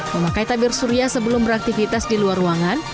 memakai tabir surya sebelum beraktivitas di luar ruangan